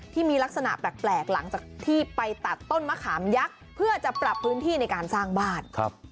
ที่มีลักษณะแปลกหลังจากที่ไปตัดต้นมะขามยักษ์เพื่อจะปรับพื้นที่ในการสร้างบ้าน